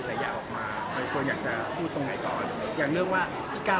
นรอยก็ไม่เหลือพี่ก้าว